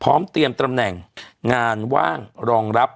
พร้อมเตรียมตำแหน่งงานว่างรองรับ